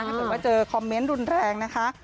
ถ้าเกิดว่าเจอคอมเมนต์รุนแรงนะคะ